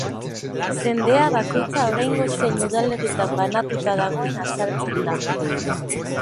Zendea bakoitza oraingo zein udalerritan banatuta dagoen azaltzen da.